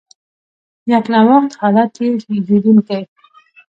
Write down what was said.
یکنواخته حالت یې لیدونکي.